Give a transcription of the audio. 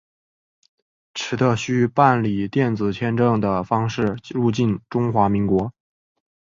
持的需办理电子签证的方式入境中华民国。